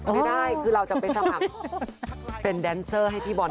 ไม่ได้คือเราจะไปสมัครเป็นแดนเซอร์ให้พี่บอล